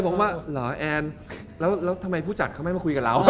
บอกว่าเหรอแอนแล้วทำไมผู้จัดเขาไม่มาคุยกับเรา